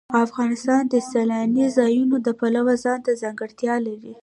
افغانستان د سیلانی ځایونه د پلوه ځانته ځانګړتیا لري.